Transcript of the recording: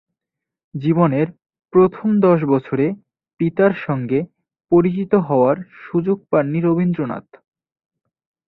জীবনের প্রথম দশ বছরে পিতার সঙ্গে পরিচিত হওয়ার সুযোগ পাননি রবীন্দ্রনাথ।